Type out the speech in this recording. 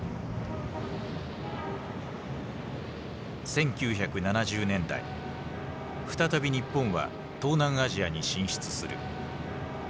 １９７０年代再び日本は東南アジアに進出する。